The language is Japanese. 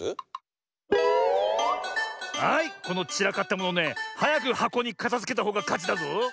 はいこのちらかったものねはやくはこにかたづけたほうがかちだぞ。